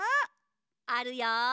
あるよ。